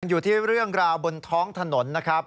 อยู่ที่เรื่องราวบนท้องถนนนะครับ